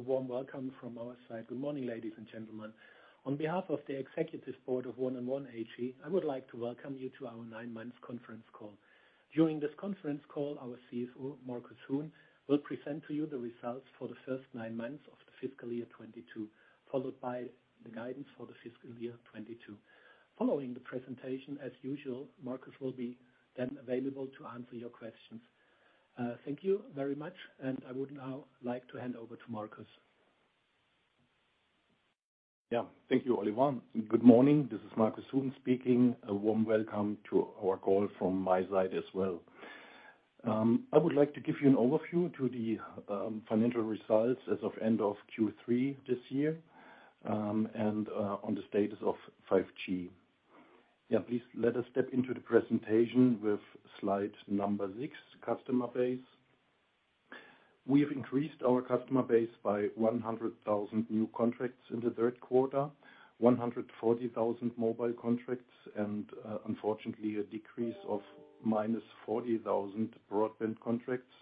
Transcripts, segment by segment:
A warm welcome from our side. Good morning, ladies and gentlemen. On behalf of the executive board of 1&1 AG, I would like to welcome you to our nine months conference call. During this conference call, our CFO, Markus Huhn, will present to you the results for the first nine months of the fiscal year 2022, followed by the guidance for the fiscal year 2022. Following the presentation, as usual, Markus will be then available to answer your questions. Thank you very much, and I would now like to hand over to Markus. Yeah. Thank you, Oliver. Good morning. This is Markus Huhn speaking. A warm welcome to our call from my side as well. I would like to give you an overview to the financial results as of end of Q3 this year, and on the status of 5G. Yeah, please let us step into the presentation with slide number six, customer base. We have increased our customer base by 100,000 new contracts in the third quarter, 140,000 mobile contracts, and unfortunately a decrease of -40,000 broadband contracts.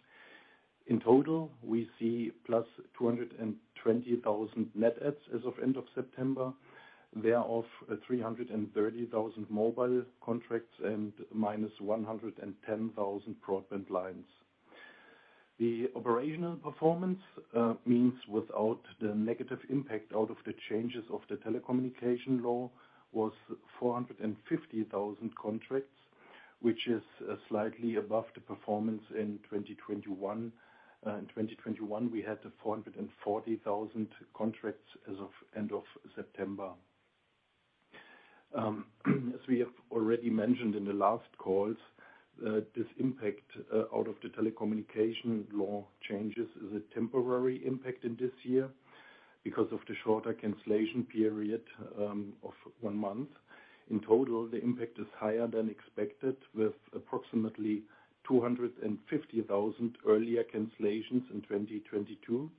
In total, we see +220,000 net adds as of end of September. They are of 330,000 mobile contracts and -110,000 broadband lines. The operational performance means without the negative impact out of the changes of the telecommunication law was 450,000 contracts, which is slightly above the performance in 2021. In 2021, we had 440,000 contracts as of end of September. As we have already mentioned in the last calls, this impact out of the telecommunication law changes is a temporary impact in this year because of the shorter cancellation period of one month. In total, the impact is higher than expected with approximately 250,000 earlier cancellations in 2022.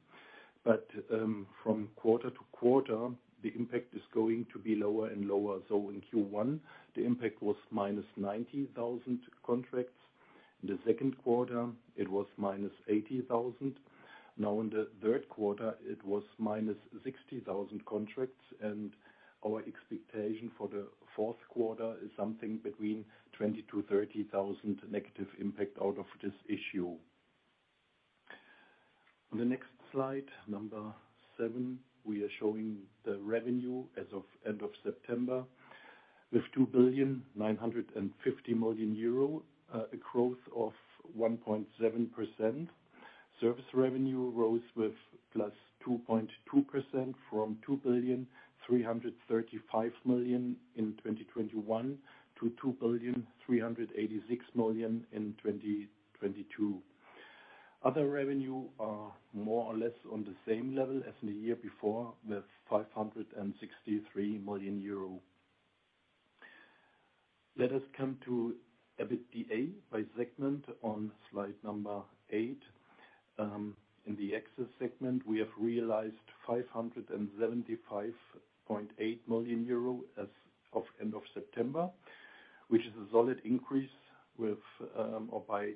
From quarter to quarter, the impact is going to be lower and lower. In Q1, the impact was minus 90,000 contracts. In the second quarter, it was minus 80,000. In the third quarter, it was -60,000 contracts, and our expectation for the fourth quarter is something between 20,000-30,000 negative impact out of this issue. On the next slide, number 7, we are showing the revenue as of end of September with 2.95 billion, a growth of 1.7%. Service revenue rose +2.2% from 2.335 billion in 2021 to 2.386 billion in 2022. Other revenue are more or less on the same level as the year before with 563 million euro. Let us come to EBITDA by segment on slide number 8. In the access segment, we have realized 575.8 million euro as of end of September, which is a solid increase by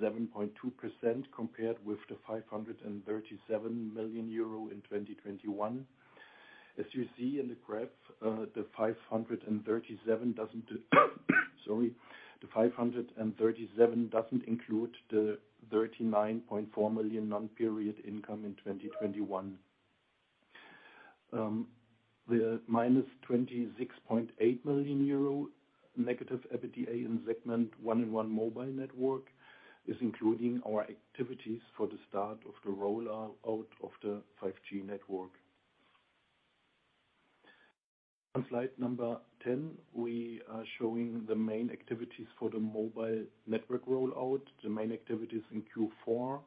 7.2% compared with the 537 million euro in 2021. As you see in the graph, the 537 doesn't include the 39.4 million non-period income in 2021. The -26.8 million euro negative EBITDA in segment 1&1 mobile network is including our activities for the start of the rollout of the 5G network. On slide 10, we are showing the main activities for the mobile network rollout. The main activities in Q4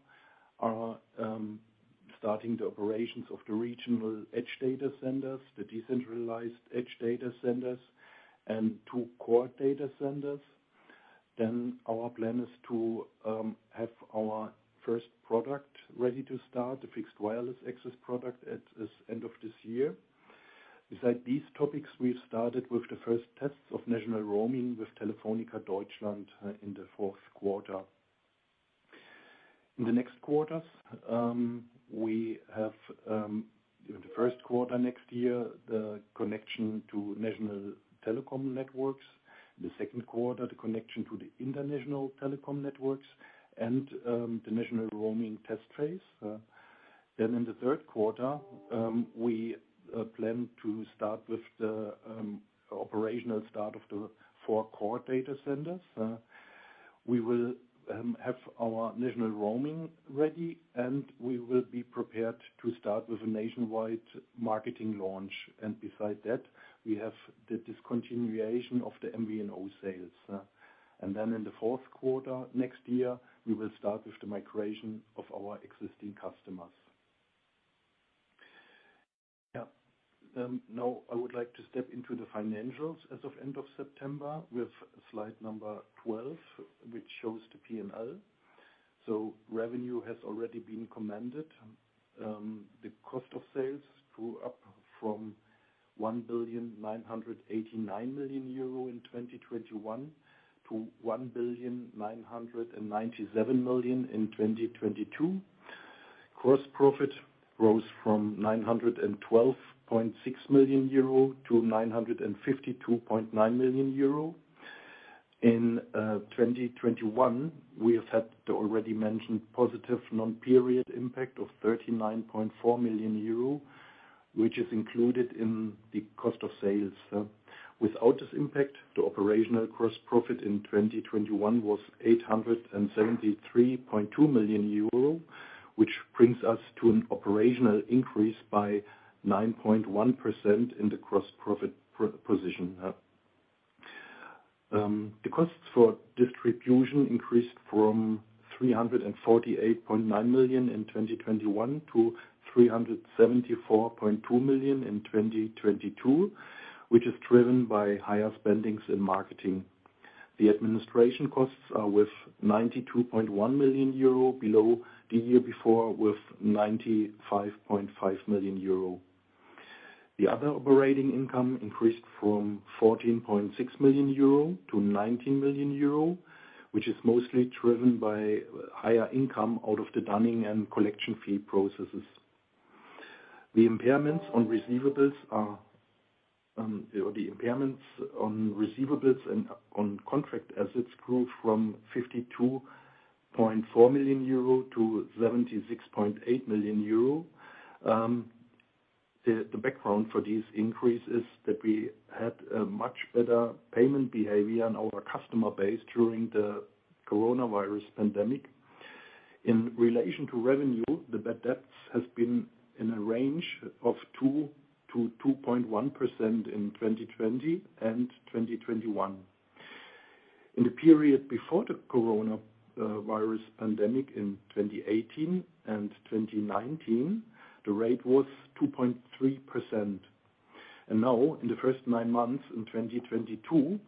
are starting the operations of the regional edge data centers, the decentralized edge data centers, and two core data centers. Our plan is to have our first product ready to start the Fixed Wireless Access product at the end of this year. Besides these topics, we've started with the first tests of national roaming with Telefónica Deutschland in the fourth quarter. In the next quarters, we have in the first quarter next year, the connection to national telecom networks. The second quarter, the connection to the international telecom networks and the national roaming test phase. In the third quarter, we plan to start with the operational start of the four core data centers. We will have our national roaming ready, and we will be prepared to start with a nationwide marketing launch. Beside that, we have the discontinuation of the MVNO sales. Then in the fourth quarter next year, we will start with the migration of our existing customers. Now I would like to step into the financials as of end of September with slide 12, which shows the P&L. Revenue has already been commented. The cost of sales grew from 1,989 million euro in 2021 to 1,997 million in 2022. Gross profit rose from 912.6 million euro to 952.9 million euro. In 2021, we have had the already mentioned positive non-recurring impact of 39.4 million euro, which is included in the cost of sales. Without this impact, the operational gross profit in 2021 was 873.2 million euro, which brings us to an operational increase by 9.1% in the gross profit position. The costs for distribution increased from 348.9 million in 2021 to 374.2 million in 2022, which is driven by higher spendings in marketing. The administration costs are with 92.1 million euro below the year before with 95.5 million euro. The other operating income increased from 14.6 million euro to 19 million euro, which is mostly driven by higher income out of the dunning and collection fee processes. The impairments on receivables and on contract assets grew from 52.4 million euro to 76.8 million euro. The background for this increase is that we had a much better payment behavior on our customer base during the coronavirus pandemic. In relation to revenue, the bad debts has been in a range of 2%-2.1% in 2020 and 2021. In the period before the coronavirus pandemic in 2018 and 2019, the rate was 2.3%. Now, in the first nine months in 2022,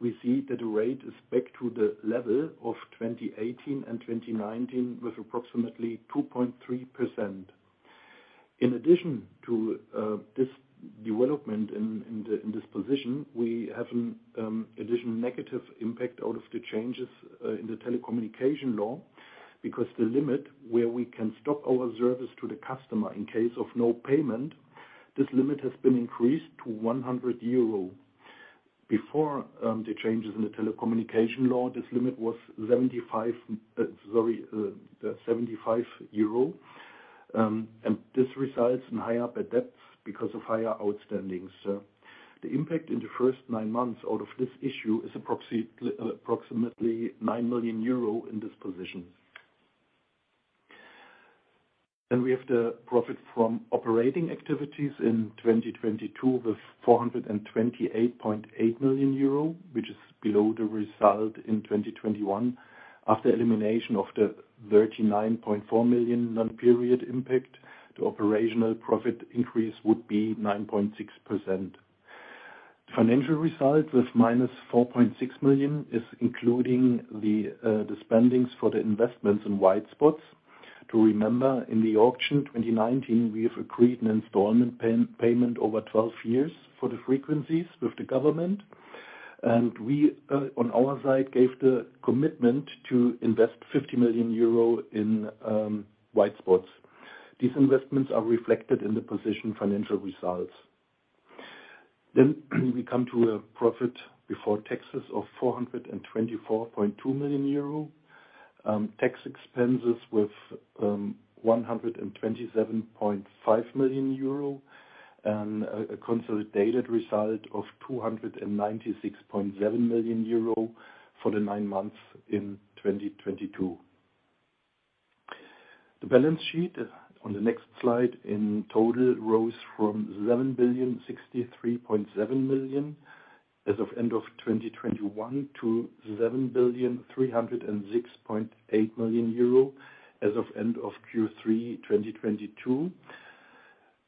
we see that the rate is back to the level of 2018 and 2019 with approximately 2.3%. In addition to this development in this position, we have additional negative impact out of the changes in the telecommunications law, because the limit where we can stop our service to the customer in case of no payment, this limit has been increased to 100 euro. Before the changes in the telecommunications law, this limit was 75 euro. This results in higher bad debts because of higher outstandings. The impact in the first nine months out of this issue is approximately 9 million euro in this position. We have the profit from operating activities in 2022 with 428.8 million euro, which is below the result in 2021. After elimination of the 39.4 million non-period impact, the operational profit increase would be 9.6%. Financial results with -4.6 million is including the spending for the investments in white spots. To remember, in the auction 2019, we have agreed an installment payment over 12 years for the frequencies with the government. We, on our side, gave the commitment to invest 50 million euro in white spots. These investments are reflected in the position financial results. We come to a profit before taxes of 424.2 million euro. Tax expenses with 127.5 million euro. A consolidated result of 296.7 million euro for the nine months in 2022. The balance sheet on the next slide in total rose from 7,063.7 million as of end of 2021 to 7,306.8 million euro as of end of Q3 2022.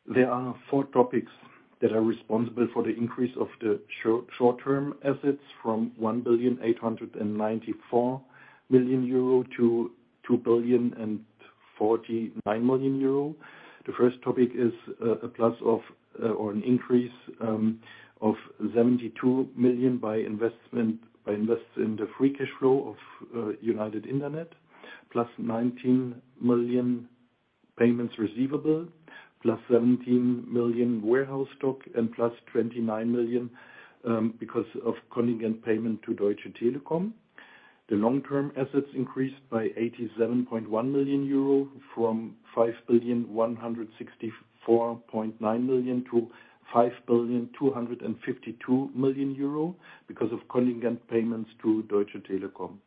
There are four topics that are responsible for the increase of the short-term assets from 1,894 million euro to 2,049 million euro. The first topic is a plus of or an increase of 72 million by investing the free cash flow of United Internet, plus 19 million payments receivable, plus 17 million warehouse stock, and plus 29 million because of contingent payment to Deutsche Telekom. The long-term assets increased by 87.1 million euro from 5,164.9 million to 5,252 million euro because of contingent payments to Deutsche Telekom.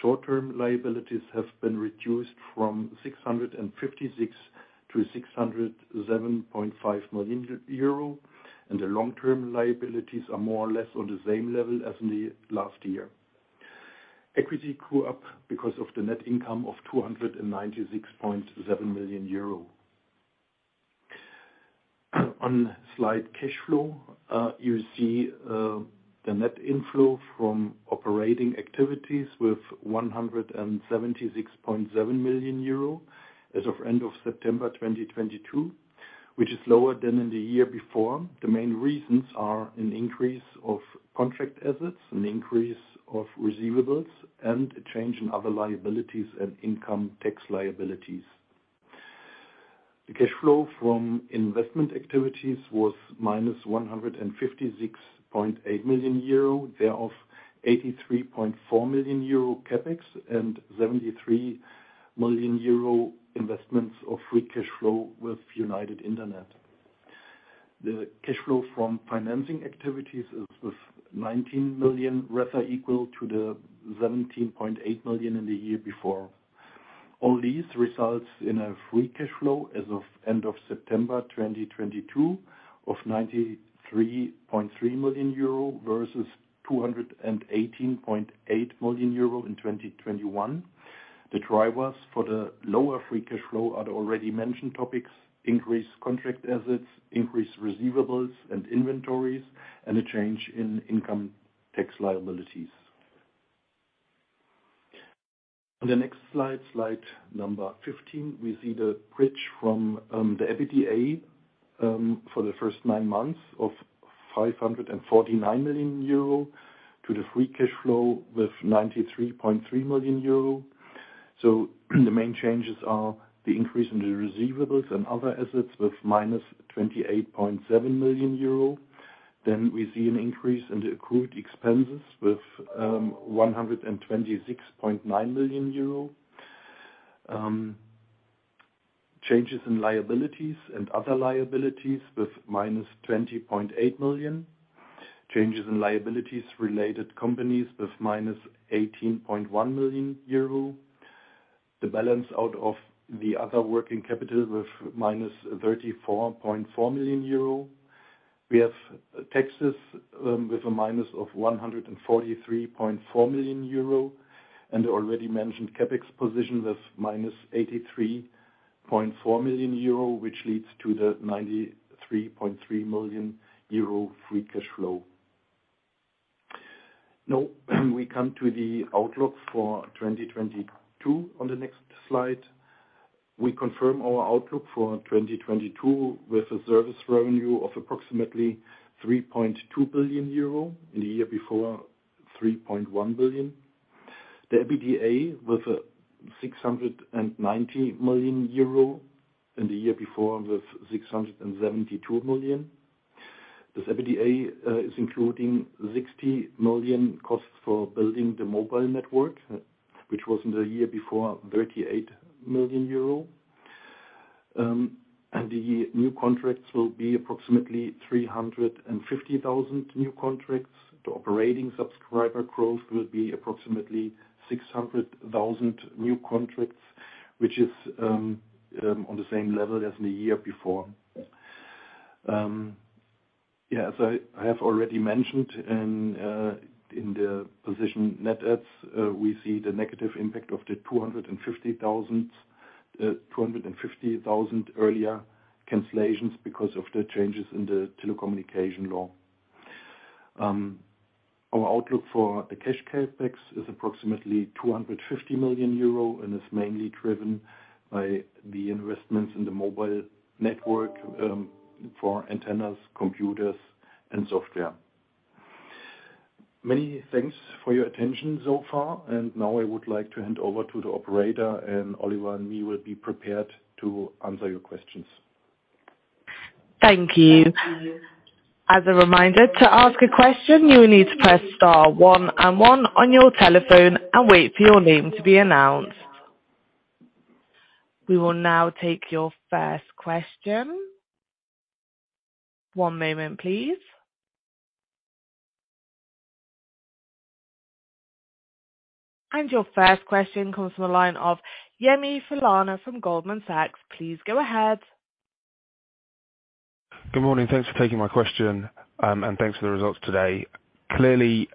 Short-term liabilities have been reduced from 656 million to 607.5 million euro, and the long-term liabilities are more or less on the same level as in the last year. Equity grew up because of the net income of 296.7 million euro. On the cash flow slide, you see, the net inflow from operating activities with 176.7 million euro as of end of September 2022, which is lower than in the year before. The main reasons are an increase of contract assets, an increase of receivables, and a change in other liabilities and income tax liabilities. The cash flow from investment activities was minus 156.8 million euro, thereof 83.4 million euro CapEx and 73 million euro investments of free cash flow with United Internet. The cash flow from financing activities was 19 million, rather equal to the 17.8 million in the year before. All these results in a free cash flow as of end of September 2022 of 93.3 million euro, versus 218.8 million euro in 2021. The drivers for the lower free cash flow are the already mentioned topics, increased contract assets, increased receivables and inventories, and a change in income tax liabilities. On the next slide number 15, we see the bridge from the EBITDA for the first nine months of 549 million euro to the free cash flow with 93.3 million euro. The main changes are the increase in the receivables and other assets with -28.7 million euro. We see an increase in the accrued expenses with 126.9 million euro. Changes in liabilities and other liabilities with -20.8 million. Changes in liabilities related companies with -18.1 million euro. The balance out of the other working capital with -34.4 million euro. We have taxes with -143.4 million euro, and the already mentioned CapEx position with -83.4 million euro, which leads to the 93.3 million euro free cash flow. Now we come to the outlook for 2022 on the next slide. We confirm our outlook for 2022 with a service revenue of approximately 3.2 billion euro. In the year before, 3.1 billion. The EBITDA with 690 million euro, and the year before with 672 million. This EBITDA is including 60 million costs for building the mobile network, which was in the year before 38 million euro. The new contracts will be approximately 350,000 new contracts. The operating subscriber growth will be approximately 600,000 new contracts, which is on the same level as the year before. Yes, I have already mentioned in the postpaid net adds, we see the negative impact of the 250,000 earlier cancellations because of the changes in the telecommunication law. Our outlook for the cash CapEx is approximately 250 million euro and is mainly driven by the investments in the mobile network for antennas, computers, and software. Many thanks for your attention so far. Now I would like to hand over to the operator, and Oliver and me will be prepared to answer your questions. Thank you. As a reminder, to ask a question, you will need to press star one and one on your telephone and wait for your name to be announced. We will now take your first question. One moment, please. Your first question comes from the line of Yemi Falana from Goldman Sachs. Please go ahead. Good morning. Thanks for taking my question. Thanks for the results today. Clearly,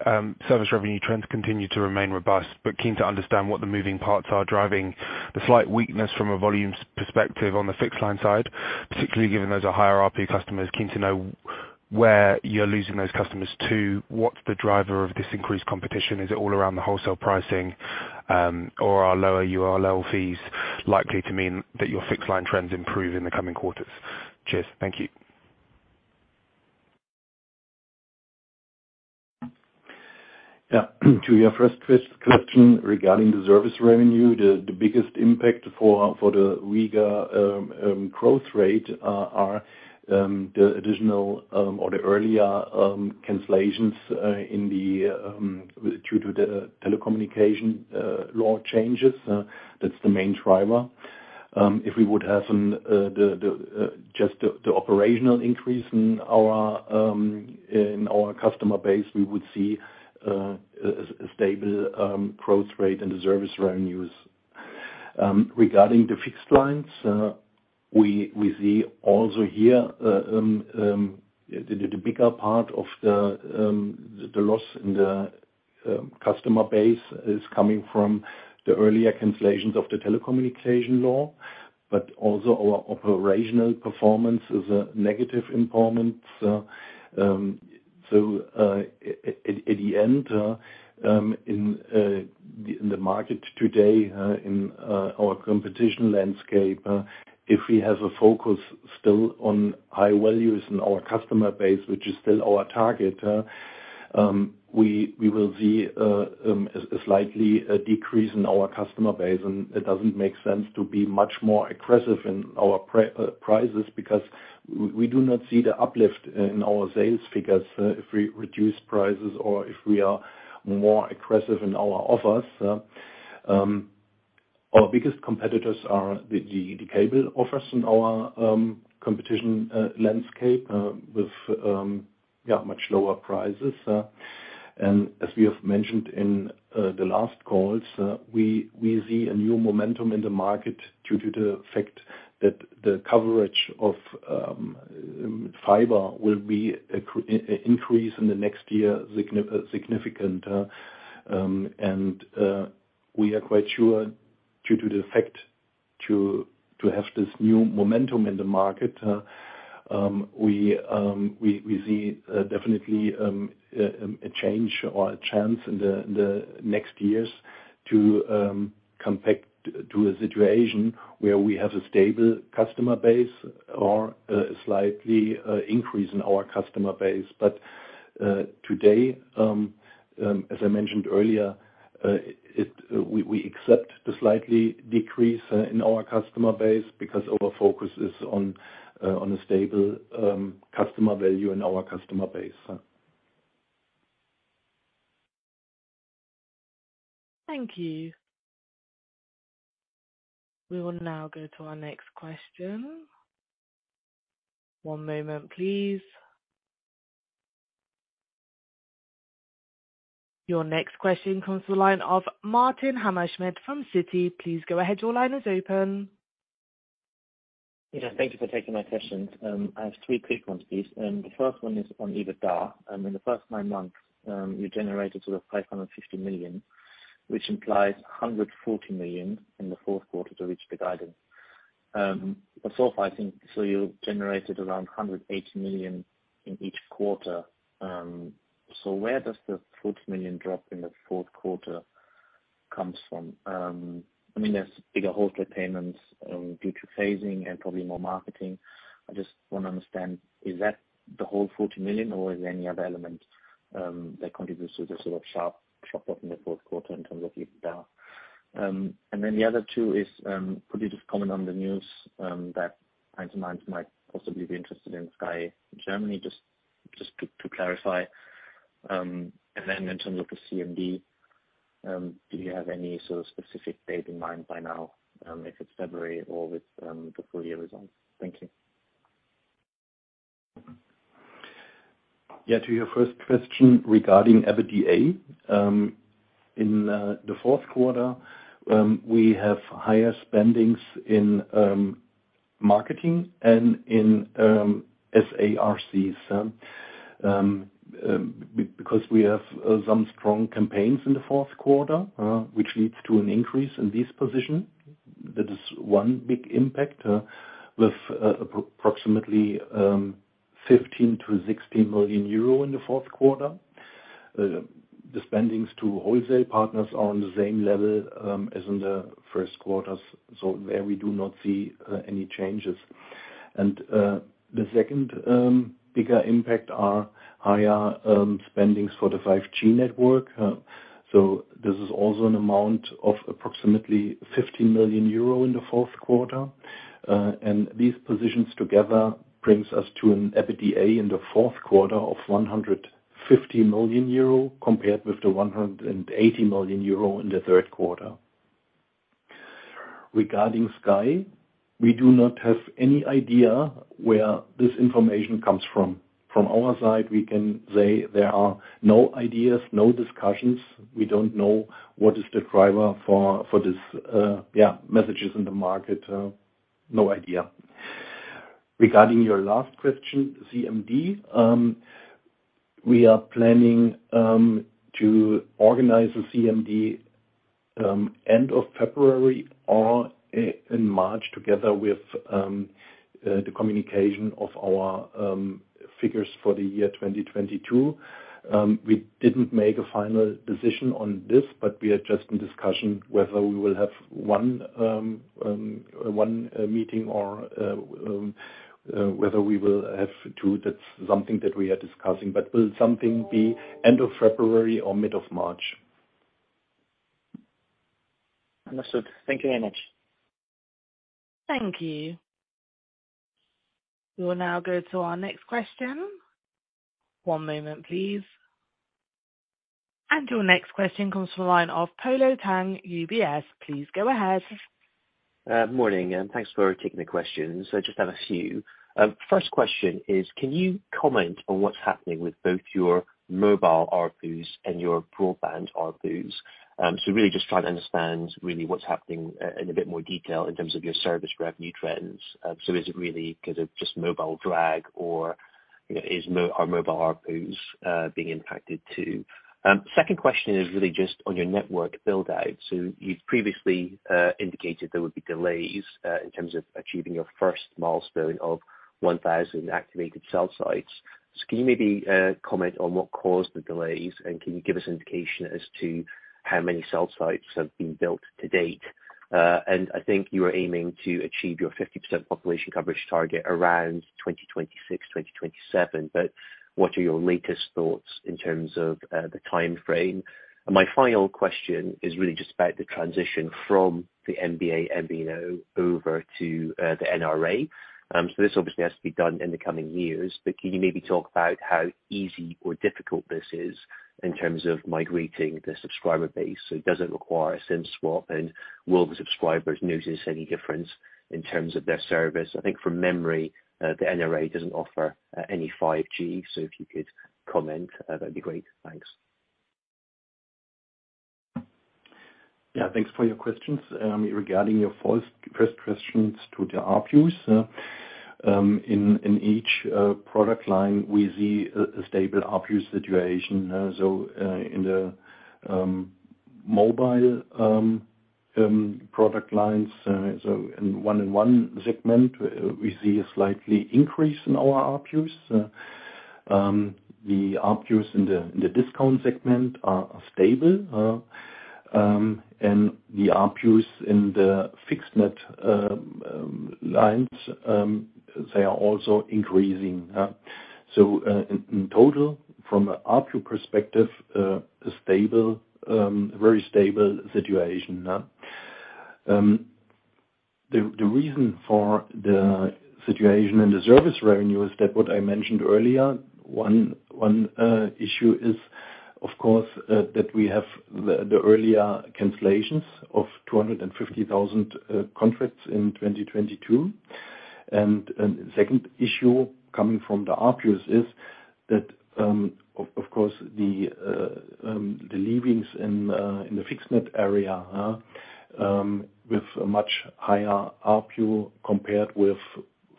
service revenue trends continue to remain robust, but keen to understand what the moving parts are driving the slight weakness from a volumes perspective on the fixed line side, particularly given those are higher ARPU customers. Keen to know where you're losing those customers to. What's the driver of this increased competition? Is it all around the wholesale pricing? Are lower ULL fees likely to mean that your fixed line trends improve in the coming quarters? Cheers. Thank you. Yeah. To your first question regarding the service revenue, the biggest impact for the weaker growth rate are the additional or the earlier cancellations due to the telecommunications law changes. That's the main driver. If we would have just the operational increase in our customer base, we would see a stable growth rate in the service revenues. Regarding the fixed lines, we also see here the bigger part of the loss in the customer base is coming from the earlier cancellations of the telecommunication law, but also our operational performance is a negative impact. At the end, in the market today, in our competition landscape, if we have a focus still on high values in our customer base, which is still our target, we will see a slightly decrease in our customer base, and it doesn't make sense to be much more aggressive in our prices because we do not see the uplift in our sales figures if we reduce prices or if we are more aggressive in our offers. Our biggest competitors are the cable operators in our competition landscape with much lower prices. As we have mentioned in the last calls, we see a new momentum in the market due to the fact that the coverage of fiber will increase significantly in the next year, and we are quite sure due to the fact to have this new momentum in the market, we see definitely a change or a chance in the next years to come back to a situation where we have a stable customer base or a slightly increase in our customer base. today, as I mentioned earlier, we accept the slight decrease in our customer base because our focus is on a stable customer value in our customer base. Thank you. We will now go to our next question. One moment, please. Your next question comes to the line of Martin Hammerschmidt from Citi. Please go ahead. Your line is open. Yeah, thank you for taking my questions. I have three quick ones, please. The first one is on EBITDA. In the first nine months, you generated sort of 550 million, which implies 140 million in the fourth quarter to reach the guidance. So far, I think, so you generated around 180 million in each quarter. Where does the 40 million drop in the fourth quarter comes from? I mean, there's bigger wholesale payments, due to phasing and probably more marketing. I just wanna understand, is that the whole 40 million, or is there any other element, that contributes to the sort of sharp drop-off in the fourth quarter in terms of EBITDA? The other two is, could you just comment on the news that 1&1 might possibly be interested in Sky Deutschland, just to clarify. In terms of the CMD, do you have any sort of specific date in mind by now, if it's February or with the full year results? Thank you. Yeah, to your first question regarding EBITDA, in the fourth quarter, we have higher spending in marketing and in SACs, because we have some strong campaigns in the fourth quarter, which leads to an increase in this position. That is one big impact, with approximately 15-16 million euro in the fourth quarter. The spending to wholesale partners are on the same level, as in the first quarters, so there we do not see any changes. The second bigger impact are higher spending for the 5G network. So this is also an amount of approximately 50 million euro in the fourth quarter. These positions together brings us to an EBITDA in the fourth quarter of 150 million euro, compared with 180 million euro in the third quarter. Regarding Sky, we do not have any idea where this information comes from. From our side, we can say there are no ideas, no discussions. We don't know what is the driver for this messages in the market. No idea. Regarding your last question, CMD, we are planning to organize a CMD end of February or in March together with the communication of our figures for the year 2022. We didn't make a final decision on this, but we are just in discussion whether we will have one meeting or whether we will have two. That's something that we are discussing, but will something be end of February or mid-March? Understood. Thank you very much. Thank you. We will now go to our next question. One moment, please. Your next question comes from the line of Polo Tang, UBS. Please go ahead. Morning, and thanks for taking the questions. I just have a few. First question is, can you comment on what's happening with both your mobile ARPU and your broadband ARPUs? Really just trying to understand really what's happening in a bit more detail in terms of your service revenue trends. Is it really 'cause of just mobile drag or, you know, are mobile ARPUs being impacted too? Second question is really just on your network build-out. You've previously indicated there would be delays in terms of achieving your first milestone of 1,000 activated cell sites. Can you maybe comment on what caused the delays, and can you give us indication as to how many cell sites have been built to date? I think you are aiming to achieve your 50% population coverage target around 2026, 2027, but what are your latest thoughts in terms of the timeframe? My final question is really just about the transition from the 1&1 MVNO over to the NRA. This obviously has to be done in the coming years, but can you maybe talk about how easy or difficult this is in terms of migrating the subscriber base? Does it require a SIM swap, and will the subscribers notice any difference in terms of their service? I think from memory, the NRA doesn't offer any 5G. If you could comment, that'd be great. Thanks. Yeah, thanks for your questions. Regarding your first questions to the ARPUs, in each product line, we see a stable ARPU situation. In the mobile product lines, in 1&1 segment, we see a slightly increase in our ARPUs. The ARPUs in the discount segment are stable. The ARPUs in the fixed net lines, they are also increasing. In total, from ARPU perspective, a stable, very stable situation. The reason for the situation in the service revenue is that what I mentioned earlier, 1&1 issue is, of course, that we have the earlier cancellations of 250,000 contracts in 2022. Second issue coming from the ARPUs is that, of course, the legacy in the fixed net area with a much higher ARPU compared with,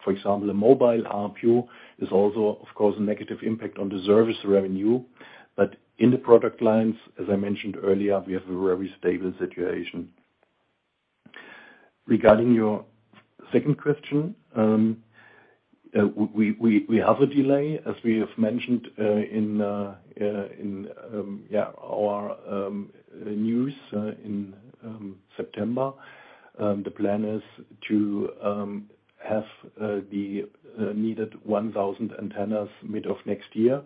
for example, a mobile ARPU, is also of course a negative impact on the service revenue. In the product lines, as I mentioned earlier, we have a very stable situation. Regarding your second question, we have a delay, as we have mentioned, in our news in September. The plan is to have the needed 1,000 antennas mid of next year.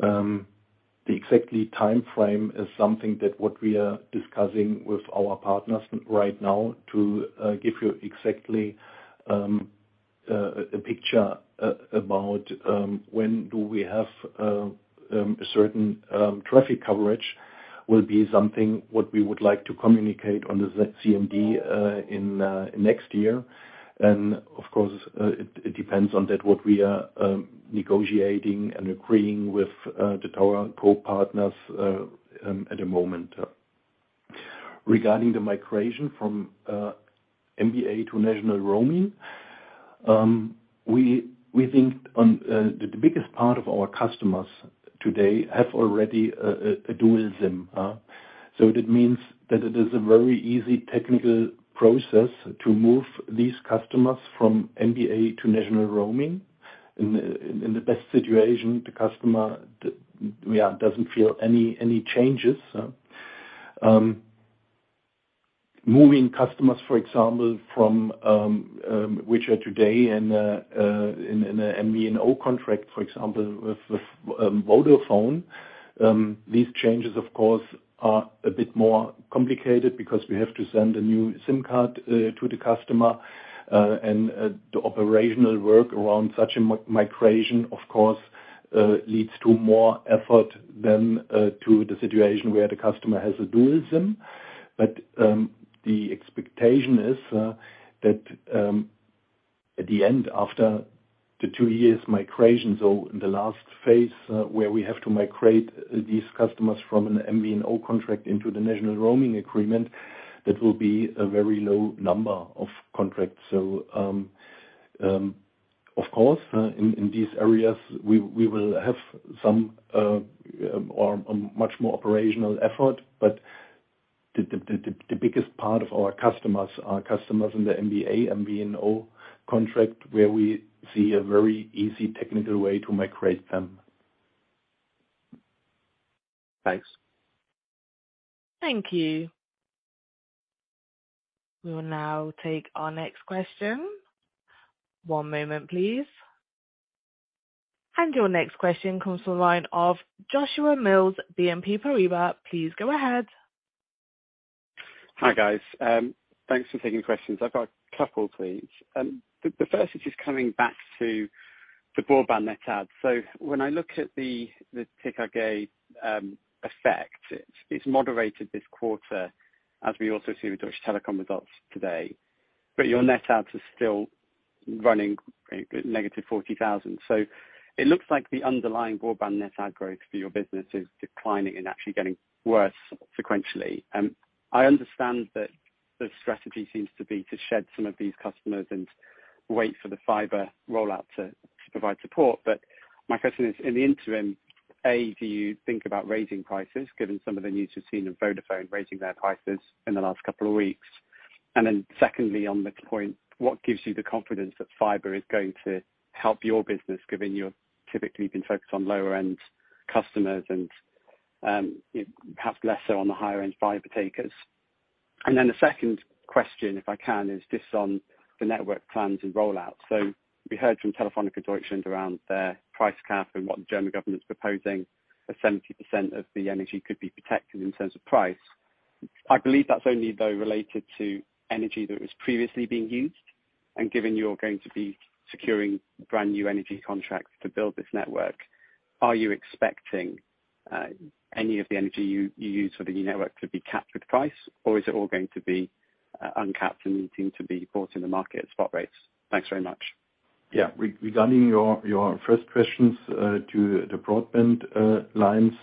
The exact timeframe is something that we are discussing with our partners right now to give you exactly a picture about when we have a certain traffic coverage will be something we would like to communicate on the CMD in next year. Of course, it depends on what we are negotiating and agreeing with the tower co-partners at the moment. Regarding the migration from MVNO to national roaming, we think that the biggest part of our customers today have already a dual SIM, so that means that it is a very easy technical process to move these customers from MVNO to national roaming. In the best situation, the customer doesn't feel any changes. Moving customers, for example, from which are today in a MVNO contract, for example, with Vodafone, these changes of course are a bit more complicated because we have to send a new SIM card to the customer. The operational work around such a migration, of course, leads to more effort than to the situation where the customer has a dual SIM. The expectation is that at the end, after the two years migration, so in the last phase, where we have to migrate these customers from an MVNO contract into the National Roaming Agreement, that will be a very low number of contracts. Of course, in these areas, we will have some or much more operational effort, but the biggest part of our customers are customers in the MBA, MVNO contract, where we see a very easy technical way to migrate them. Thanks. Thank you. We will now take our next question. One moment please. Your next question comes from the line of Joshua Mills, BNP Paribas. Please go ahead. Hi, guys. Thanks for taking questions. I've got a couple please. The first is just coming back to the broadband net adds. When I look at the TKG effect, it's moderated this quarter, as we also see with Deutsche Telekom results today. Your net adds are still running negative 40,000. It looks like the underlying broadband net add growth for your business is declining and actually getting worse sequentially. I understand that the strategy seems to be to shed some of these customers and wait for the fiber rollout to provide support. My question is, in the interim, A, do you think about raising prices, given some of the news we've seen in Vodafone raising their prices in the last couple of weeks? Secondly, on this point, what gives you the confidence that fiber is going to help your business, given you have typically been focused on lower end customers and, perhaps lesser on the higher end fiber takers? The second question, if I can, is just on the network plans and roll-outs. We heard from Telefónica Deutschland around their price cap and what the German government's proposing that 70% of the energy could be protected in terms of price. I believe that's only though related to energy that was previously being used. Given you're going to be securing brand new energy contracts to build this network, are you expecting any of the energy you use for the new network to be capped with price? Or is it all going to be uncapped and needing to be bought in the market at spot rates? Thanks very much. Yeah. Regarding your first questions to the broadband lines.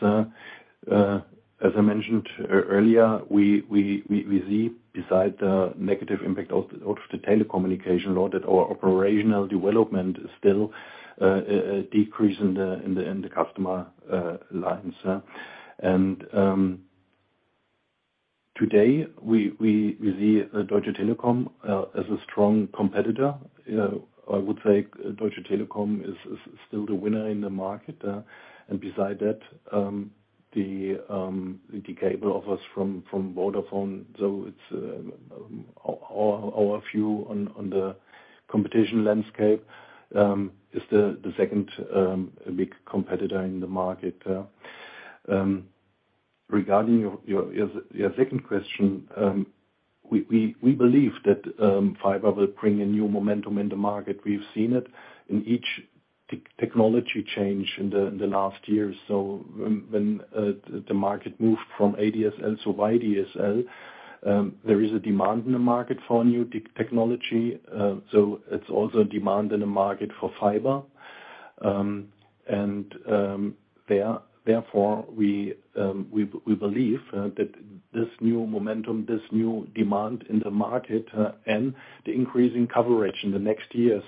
As I mentioned earlier, we see beside the negative impact of the telecommunication load, that our operational development is still a decrease in the customer lines. Today, we see Deutsche Telekom as a strong competitor. You know, I would say Deutsche Telekom is still the winner in the market. Beside that, the cable offers from Vodafone, so it's our view on the competition landscape is the second big competitor in the market. Regarding your second question, we believe that fiber will bring a new momentum in the market. We've seen it in each technology change in the last years. When the market moved from ADSL to VDSL, there is a demand in the market for a new technology. It's also a demand in the market for fiber. Therefore, we believe that this new momentum, this new demand in the market, and the increase in coverage in the next years,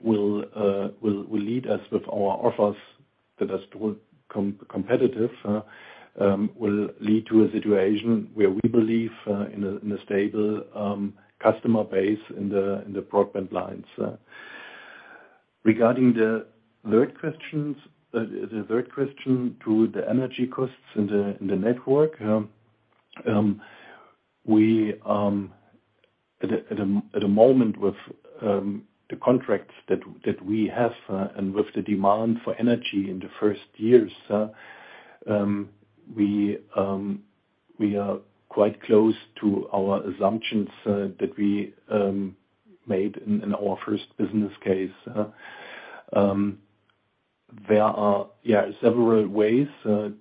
will lead us with our offers that are still competitive, will lead to a situation where we believe in a stable customer base in the broadband lines. Regarding the third question to the energy costs in the network. We at a moment with the contracts that we have and with the demand for energy in the first years, we are quite close to our assumptions that we made in our first business case. There are several ways to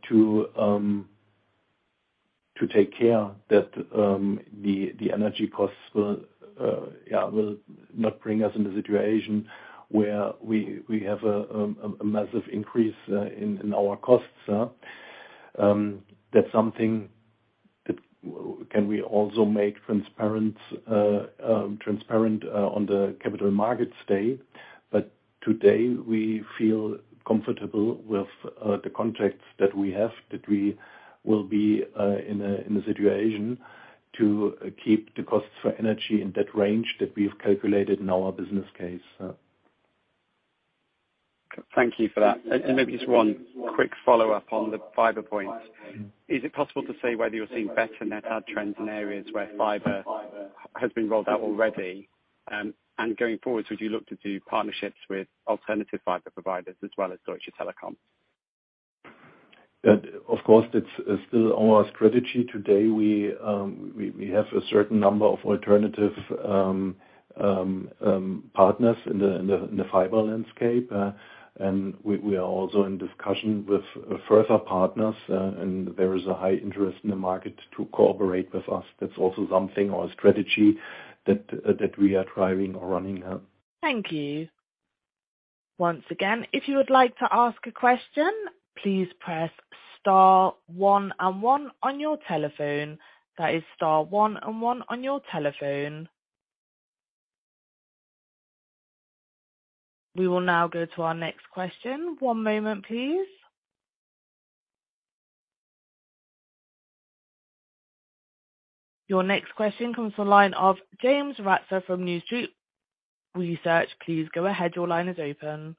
take care that the energy costs will not bring us in the situation where we have a massive increase in our costs. That's something that we can also make transparent on the Capital Markets Day. Today, we feel comfortable with the contracts that we have, that we will be in a situation to keep the costs for energy in that range that we've calculated in our business case. Thank you for that. Maybe just one quick follow-up on the fiber point. Is it possible to say whether you're seeing better net add trends in areas where fiber has been rolled out already? Going forward, would you look to do partnerships with alternative fiber providers as well as Deutsche Telekom? Of course, that's still our strategy today. We have a certain number of alternative partners in the fiber landscape. We are also in discussion with further partners, and there is a high interest in the market to cooperate with us. That's also something, our strategy that we are driving or running. Thank you. Once again, if you would like to ask a question, please press star one and one on your telephone. That is star one and one on your telephone. We will now go to our next question. One moment, please. Your next question comes from the line of James Ratzer from New Street Research. Please go ahead. Your line is open.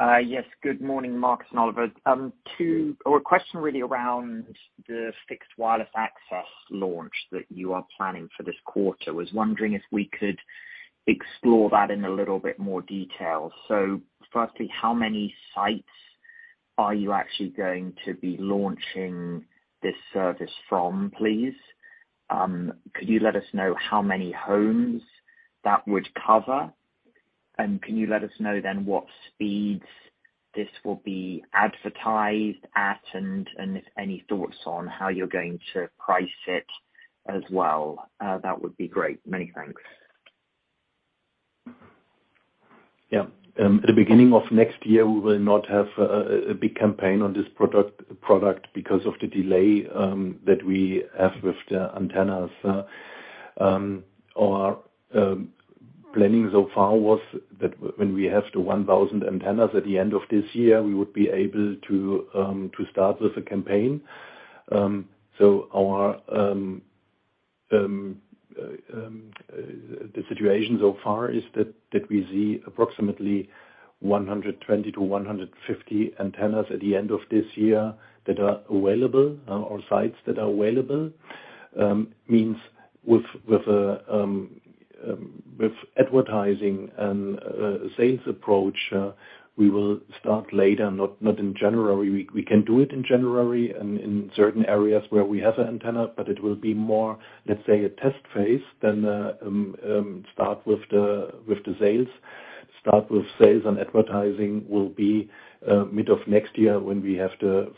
Yes. Good morning, Markus and Oliver. A question really around the fixed wireless access launch that you are planning for this quarter. Was wondering if we could explore that in a little bit more detail. Firstly, how many sites are you actually going to be launching this service from, please? Could you let us know how many homes that would cover? And can you let us know then what speeds this will be advertised at? And if any thoughts on how you're going to price it as well? That would be great. Many thanks. Yeah. At the beginning of next year, we will not have a big campaign on this product because of the delay that we have with the antennas. Our planning so far was that when we have the 1000 antennas at the end of this year, we would be able to start with the campaign. The situation so far is that we see approximately 120 to 150 antennas at the end of this year that are available, or sites that are available. Means with advertising and sales approach, we will start later, not in January. We can do it in January and in certain areas where we have an antenna, but it will be more, let's say, a test phase than start with sales. Start with sales and advertising will be mid of next year when we have the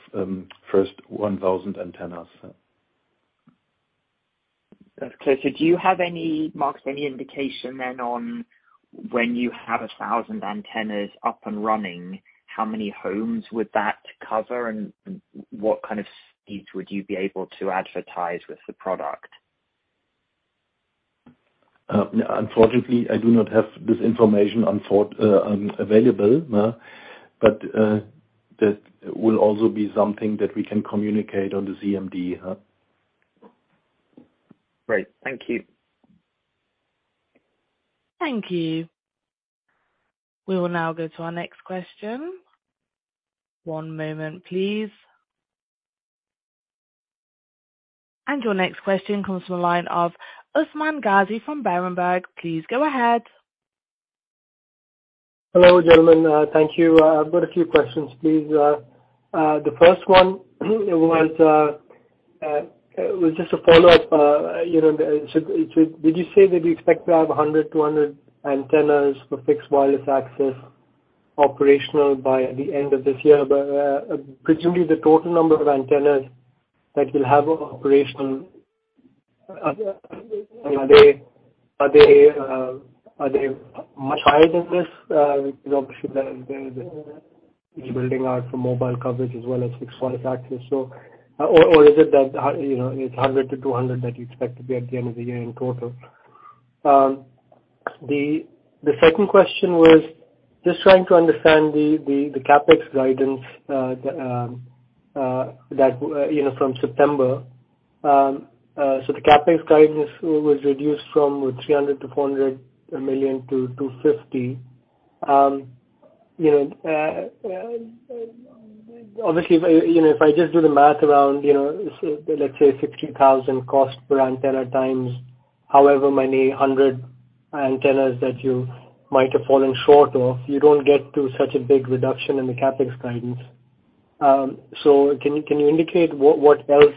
first 1,000 antennas. That's clear. Do you have any, Markus, indication then on when you have 1,000 antennas up and running, how many homes would that cover and what kind of speeds would you be able to advertise with the product? Unfortunately, I do not have this information available, but that will also be something that we can communicate on the CMD. Great. Thank you. Thank you. We will now go to our next question. One moment, please. Your next question comes from the line of Usman Ghazi from Berenberg. Please go ahead. Hello, gentlemen. Thank you. I've got a few questions, please. The first one was just a follow-up. You know, did you say that you expect to have 100-200 antennas for Fixed Wireless Access operational by the end of this year? Presumably, the total number of antennas that you'll have operational, are they much higher than this? Obviously, the build-out for mobile coverage as well as Fixed Wireless Access. Or is it that, you know, it's 100-200 that you expect to be at the end of the year in total? The second question was just trying to understand the CapEx guidance that you know from September. The CapEx guidance was reduced from 300 million-400 million to 250 million. You know, obviously, you know, if I just do the math around, you know, let's say 60,000 cost per antenna times however many hundred antennas that you might have fallen short of, you don't get to such a big reduction in the CapEx guidance. Can you indicate what else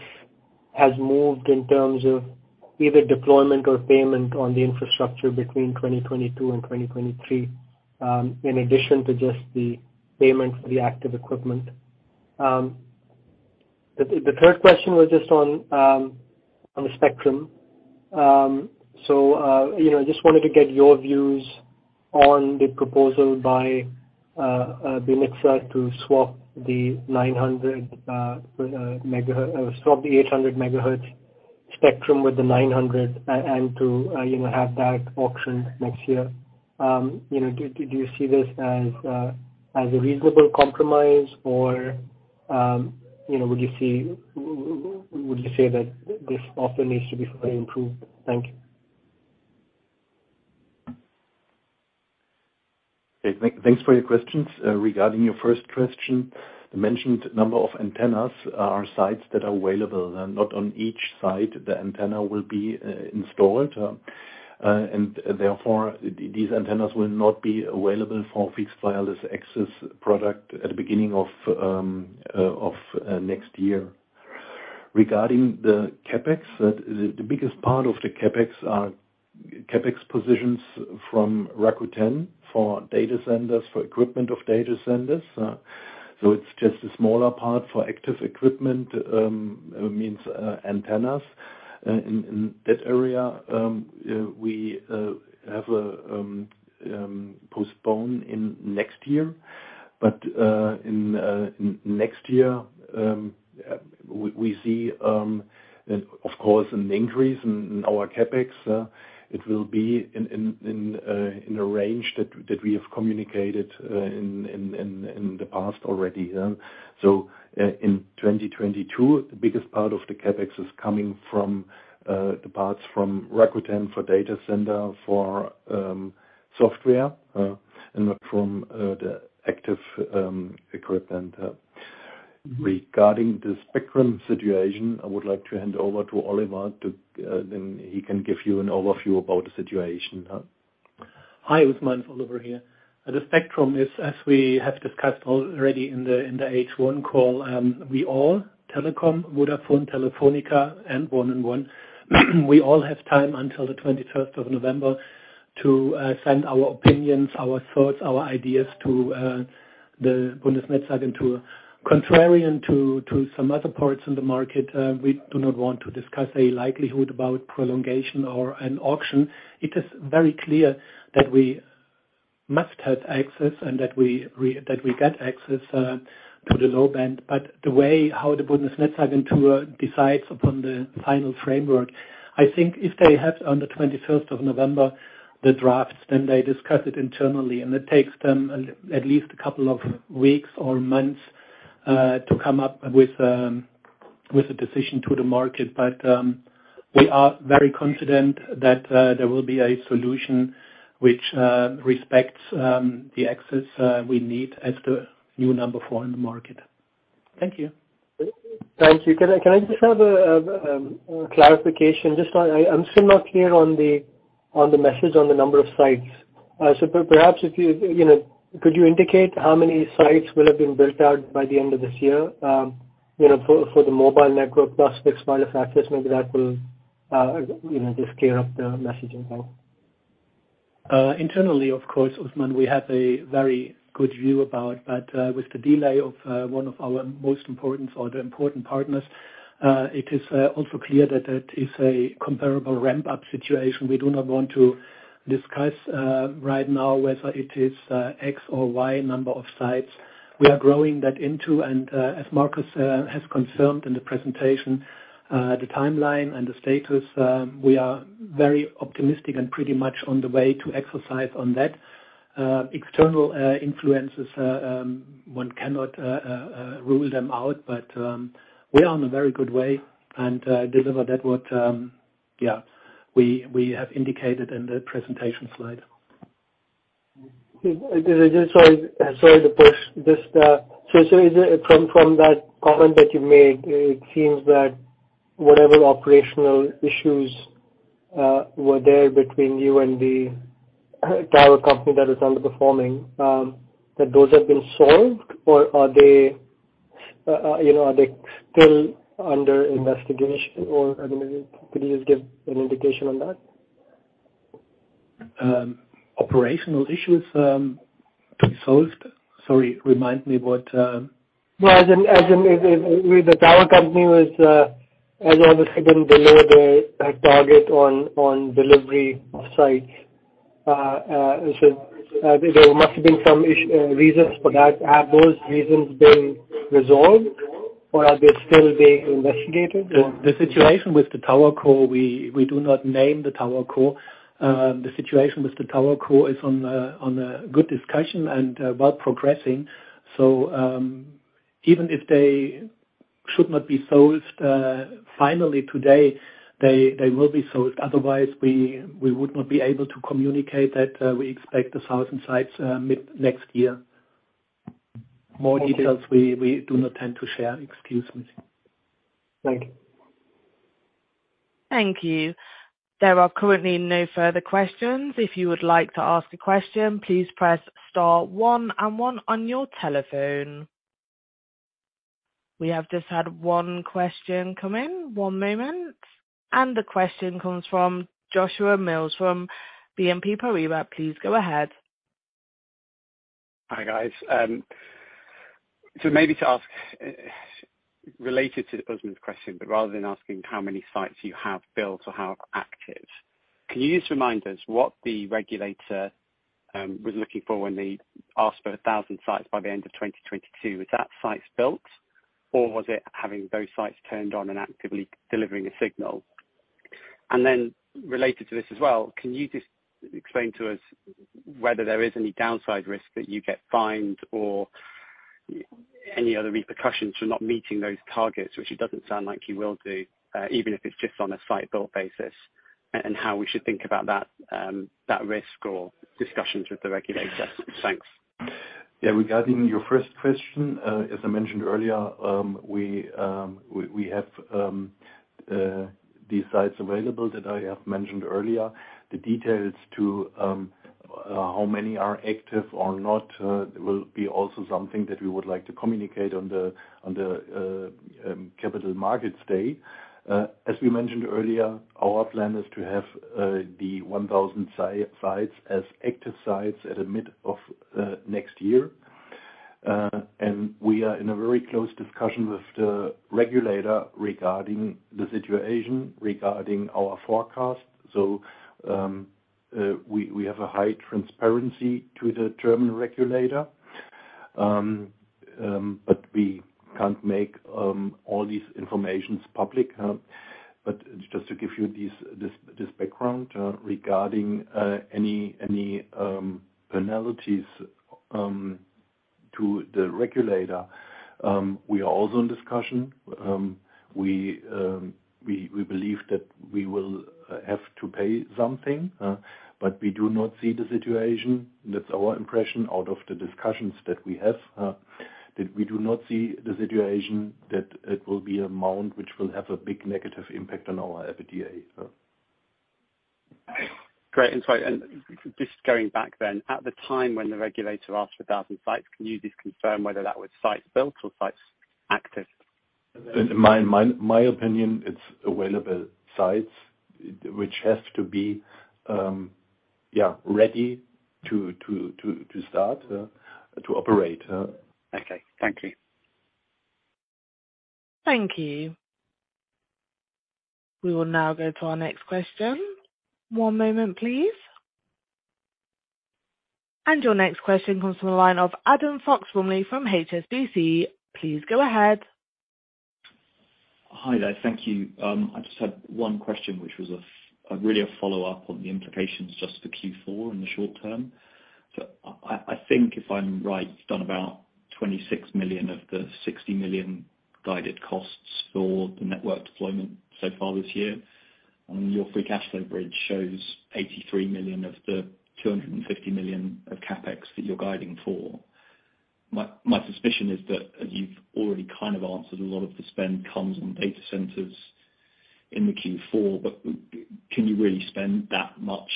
has moved in terms of either deployment or payment on the infrastructure between 2022 and 2023, in addition to just the payment for the active equipment? The third question was just on the spectrum. You know, just wanted to get your views on the proposal by the BNetzA to swap the 800 megahertz spectrum with the 900 and to have that auction next year. You know, do you see this as a reasonable compromise or would you say that this offer needs to be further improved? Thank you. Okay. Thanks for your questions. Regarding your first question, you mentioned number of antennas or sites that are available. They're not on each site the antenna will be installed, and therefore, these antennas will not be available for Fixed Wireless Access product at the beginning of next year. Regarding the CapEx, the biggest part of the CapEx are CapEx positions from Rakuten for data centers, for equipment of data centers. So it's just a smaller part for active equipment, means antennas. In that area, we have a postponement in next year. In next year, we see, of course, an increase in our CapEx. It will be in a range that we have communicated in the past already. In 2022, the biggest part of the CapEx is coming from the parts from Rakuten for data center, for software, and from the active equipment. Regarding the spectrum situation, I would like to hand over to Oliver. Then he can give you an overview about the situation. Hi, Usman. Oliver here. The spectrum is, as we have discussed already in the H1 call, we all, Deutsche Telekom, Vodafone, Telefónica, and 1&1, we all have time until the twenty-first of November to send our opinions, our thoughts, our ideas to the Bundesnetzagentur. Contrary to some other parts in the market, we do not want to discuss a likelihood about prolongation or an auction. It is very clear that we must have access and that we get access to the low band. The way how the Bundesnetzagentur decides upon the final framework, I think if they have it on the twenty-first of November, the drafts, then they discuss it internally, and it takes them at least a couple of weeks or months to come up with a decision to the market. We are very confident that there will be a solution which respects the access we need as the new number four in the market. Thank you. Thank you. Can I just have a clarification? Just, I'm still not clear on the message on the number of sites. Perhaps if you know, could you indicate how many sites will have been built out by the end of this year, you know, for the mobile network plus fixed mobile factors? Maybe that will, you know, just clear up the messaging for me. Internally, of course, Usman, we have a very good view about, but with the delay of one of our most important partners, it is also clear that it is a comparable ramp-up situation. We do not want to discuss right now whether it is X or Y number of sites. We are growing that into, and as Markus has confirmed in the presentation, the timeline and the status, we are very optimistic and pretty much on the way to execute on that. External influences, one cannot rule them out, but we are on a very good way and deliver what we have indicated in the presentation slide. Just sorry to push this. Is it from that comment that you made? It seems that whatever operational issues were there between you and the tower company that is underperforming, that those have been solved? Or are they, you know, are they still under investigation? Or I mean, could you just give an indication on that? Operational issues solved? Sorry, remind me what, Well, as in, if the tower company was, as I understood, didn't deliver their target on delivery of sites, so there must have been some reasons for that. Have those reasons been resolved, or are they still being investigated? The situation with the tower co, we do not name the tower co. The situation with the tower co is in a good discussion and well progressing. Even if they should not be solved finally today, they will be solved. Otherwise, we would not be able to communicate that we expect 1,000 sites mid next year. More details, we do not tend to share. Excuse me. Thank you. Thank you. There are currently no further questions. If you would like to ask a question, please press star one one on your telephone. We have just had one question come in. One moment. The question comes from Joshua Mills from BNP Paribas. Please go ahead. Hi, guys. Maybe to ask related to Usman's question, but rather than asking how many sites you have built or have active, can you just remind us what the regulator was looking for when they asked for 1,000 sites by the end of 2022? Was that sites built, or was it having those sites turned on and actively delivering a signal? Related to this as well, can you just explain to us whether there is any downside risk that you get fined or any other repercussions for not meeting those targets, which it doesn't sound like you will do, even if it's just on a site-built basis, and how we should think about that risk or discussions with the regulators? Thanks. Regarding your first question, as I mentioned earlier, we have these sites available that I have mentioned earlier. The details to how many are active or not will be also something that we would like to communicate on the Capital Markets Day. As we mentioned earlier, our plan is to have the 1,000 sites as active sites at the mid of next year. We are in a very close discussion with the regulator regarding the situation, regarding our forecast. We have a high transparency to the German regulator. We can't make all these information public. Just to give you this background regarding any penalties to the regulator, we are also in discussion. We believe that we will have to pay something, but we do not see the situation. That's our impression out of the discussions that we have, that we do not see the situation that it will be amount which will have a big negative impact on our EBITDA. Great. Sorry. Just going back then. At the time when the regulator asked for 1,000 sites, can you just confirm whether that was sites built or sites active? In my opinion, it's available sites which have to be ready to start to operate. Okay. Thank you. Thank you. We will now go to our next question. One moment please. Your next question comes from the line of Adam Fox-Rumley from HSBC. Please go ahead. Hi there. Thank you. I just had one question which was really a follow-up on the implications just for Q4 in the short term. I think if I'm right, you've done about 26 million of the 60 million guided costs for the network deployment so far this year. Your free cash flow bridge shows 83 million of the 250 million of CapEx that you're guiding for. My suspicion is that as you've already kind of answered, a lot of the spend comes from data centers in the Q4. Can you really spend that much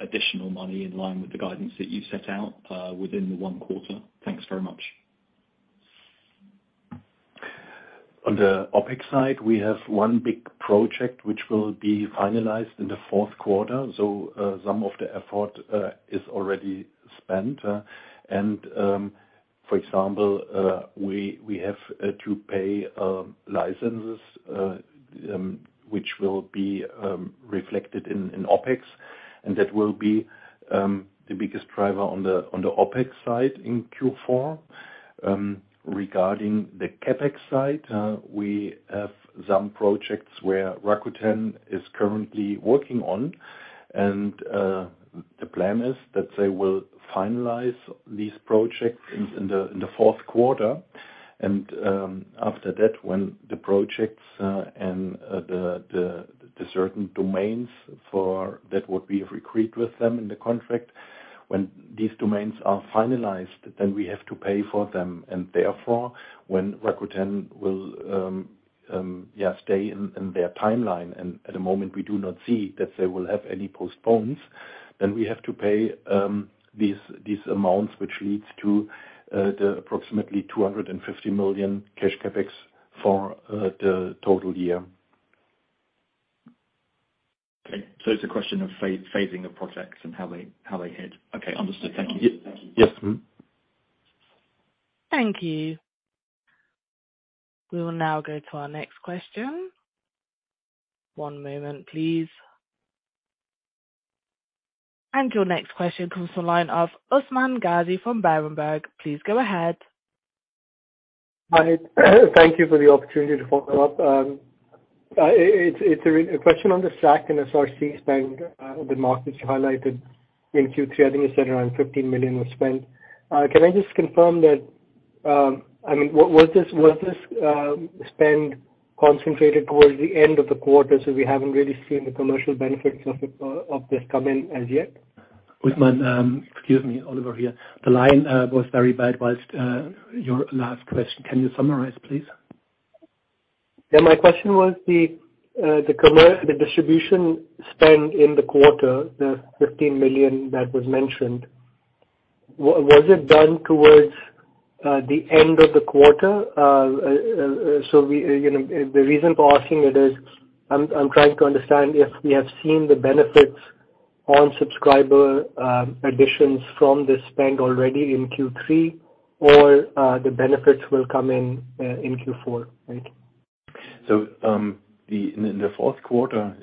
additional money in line with the guidance that you set out within the one quarter? Thanks very much. On the OpEx side, we have one big project which will be finalized in the fourth quarter. Some of the effort is already spent. For example, we have to pay licenses which will be reflected in OpEx, and that will be the biggest driver on the OpEx side in Q4. Regarding the CapEx side, we have some projects where Rakuten is currently working on, and the plan is that they will finalize these projects in the fourth quarter. After that, when the projects and the certain domains that we have agreed with them in the contract, when these domains are finalized, then we have to pay for them. when Rakuten will stay in their timeline, and at the moment we do not see that they will have any postponements, then we have to pay these amounts, which leads to the approximately 250 million cash CapEx for the total year. Okay. It's a question of phasing the projects and how they hit. Okay, understood. Thank you. Yes. Mm-hmm. Thank you. We will now go to our next question. One moment please. Your next question comes from the line of Usman Ghazi from Berenberg. Please go ahead. Hi. Thank you for the opportunity to follow up. It's a question on the SAC and SRC spend, the marketing you highlighted in Q3. I think you said around 15 million was spent. Can I just confirm that? I mean, was this spend concentrated towards the end of the quarter, so we haven't really seen the commercial benefits of it, of this come in as yet? Usman, excuse me. Oliver here. The line was very bad while your last question. Can you summarize, please? Yeah. My question was the distribution spend in the quarter, the 15 million that was mentioned, was it done towards the end of the quarter? We, you know, the reason for asking it is I'm trying to understand if we have seen the benefits on subscriber additions from this spend already in Q3 or the benefits will come in Q4. Thank you. In the fourth quarter,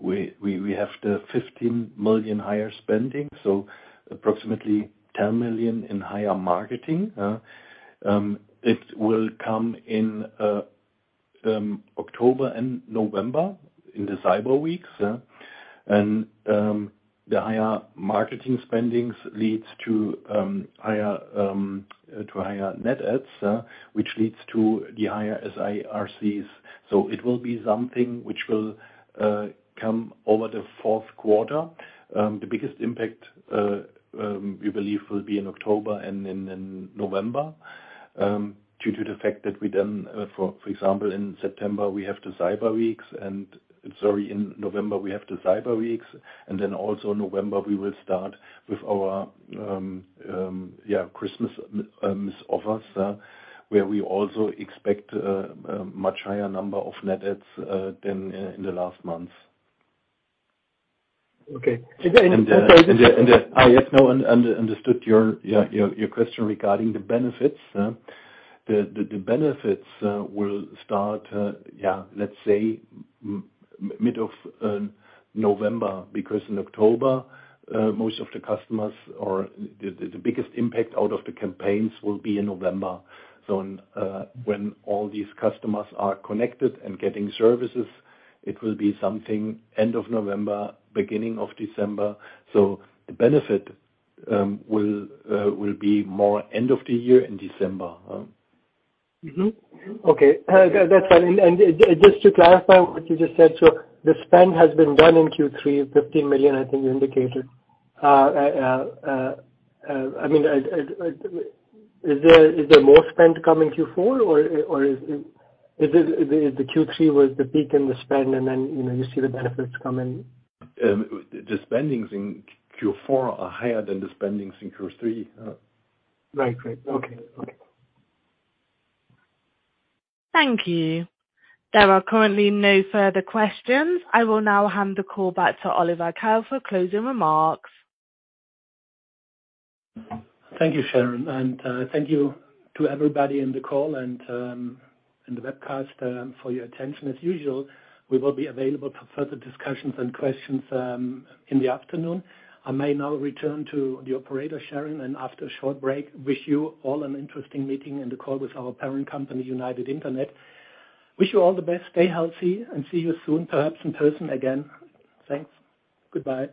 we have 15 million higher spending, approximately 10 million in higher marketing. It will come in October and November, in the cyber weeks. The higher marketing spending leads to higher net adds, which leads to the higher SACs. It will be something which will come over the fourth quarter. The biggest impact we believe will be in October and in November, due to the fact that we then for example in September we have the cyber weeks. Sorry, in November we have the cyber weeks, and then also November we will start with our Christmas special offers, where we also expect much higher number of net adds than in the last month. Okay. Is there any Yes. No, understood your question regarding the benefits. The benefits will start, yeah, let's say mid of November. Because in October, most of the customers or the biggest impact out of the campaigns will be in November. When all these customers are connected and getting services, it will be something end of November, beginning of December. The benefit will be more end of the year in December. Okay. That's fine. Just to clarify what you just said, so the spend has been done in Q3, 15 million, I think you indicated. I mean, is there more spend coming Q4 or is it? Is the Q3 was the peak in the spend and then, you know, you see the benefits come in? The spending in Q4 is higher than the spending in Q3. Right. Okay. Thank you. There are currently no further questions. I will now hand the call back to Oliver Keil for closing remarks. Thank you, Sharon. Thank you to everybody in the call and in the webcast for your attention. As usual, we will be available for further discussions and questions in the afternoon. I may now return to the operator, Sharon, and after a short break, wish you all an interesting meeting in the call with our parent company, United Internet. Wish you all the best. Stay healthy and see you soon, perhaps in person again. Thanks. Goodbye.